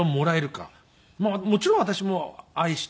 もちろん私も愛して。